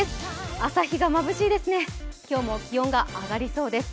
朝日がまぶしいですね、今日も気温が上がりそうです。